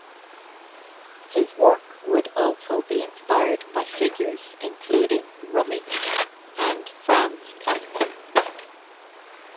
His work would also be inspired by figures including Rumi and Franz Kafka.